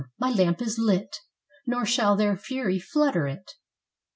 my lamp is lit! Nor shall their fury flutter it.